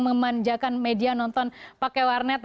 memanjakan media nonton pakai warnet